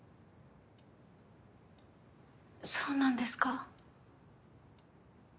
そうなんですか？